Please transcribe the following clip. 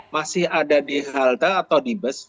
masih ada di halte atau di bus